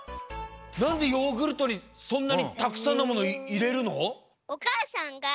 なんでヨーグルトにそんなにたくさんのものをいれるの？